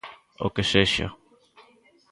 O que sexa.